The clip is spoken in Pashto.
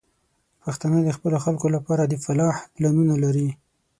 پښتانه د خپلو خلکو لپاره د فلاح پلانونه لري.